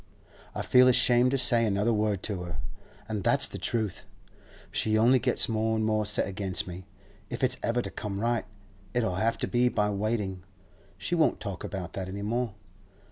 I feel ashamed to say another word to her, and that's the truth. She only gets more and more set against me. If it's ever to come right, it'll have to be by waiting; we won't talk about that any more.